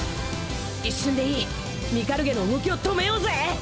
一瞬でいいミカルゲの動きを止めようぜ。